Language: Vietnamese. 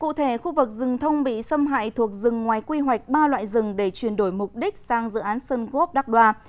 cụ thể khu vực rừng thông bị xâm hại thuộc rừng ngoài quy hoạch ba loại rừng để chuyển đổi mục đích sang dự án sơn quốc đắk đoa